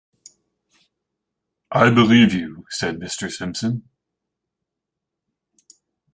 "I believe you," said Mr. Simpson.